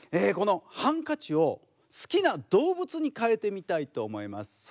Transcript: このハンカチを好きな動物に変えてみたいと思います。